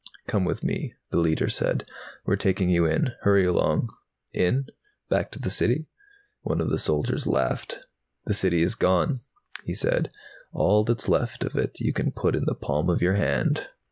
"Come with me," the Leiter said. "We're taking you in. Hurry along." "In? Back to the City?" One of the soldiers laughed. "The City is gone," he said. "All that's left of it you can put in the palm of your hand."